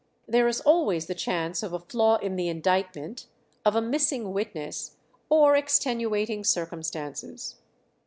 There is always the chance of a flaw in the indictment, of a missing witness, or extenuating circumstances.